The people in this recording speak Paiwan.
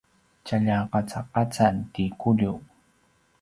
tjalja qacaqacan ti Kuliu